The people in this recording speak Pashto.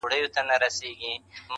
مامې په سکروټو کې خیالونه ورلېږلي وه!